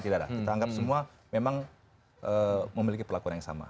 tidak ada kita anggap semua memang memiliki perlakuan yang sama